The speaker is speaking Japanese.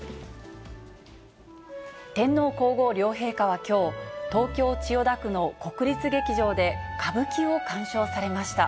天皇皇后両陛下はきょう、東京・千代田区の国立劇場で歌舞伎を鑑賞されました。